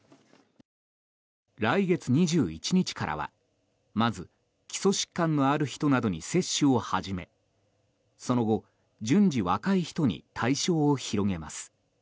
来月２１日からはまず、基礎疾患のある人などに接種を始めその後、順次若い人に対象を広げます。